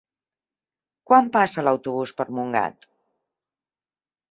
Quan passa l'autobús per Montgat?